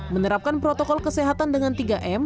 menerapkan protokol kesehatan dengan tiga m